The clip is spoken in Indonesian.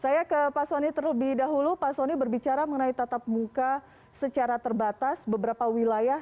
saya ke pak soni terlebih dahulu pak soni berbicara mengenai tatap muka secara terbatas beberapa wilayah